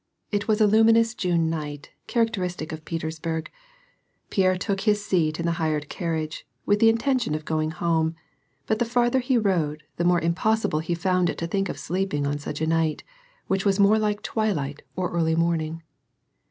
It was a luminous June night, characteristic of Petersburg. Pierre took his seat in the hired carriage, with the intention of going home, but the farther he rode the more impossible he found it to think of sleeping on such a night, which was more like twilight or early morning.